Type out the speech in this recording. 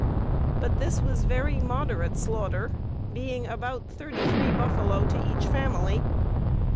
But this was very moderate slaughter, being about 33 buffalo to each family.